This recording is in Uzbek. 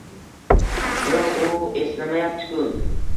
Biroq u eslamayaptiku.